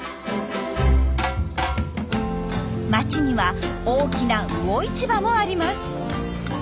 街には大きな魚市場もあります。